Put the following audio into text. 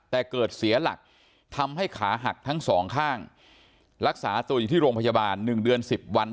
แต่เกิดเสียหลักทำให้ขาหักทั้งสองข้างรักษาตัวอยู่ที่โรงพยาบาล๑เดือน๑๐วัน